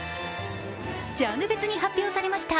ジャンル別に発表されました。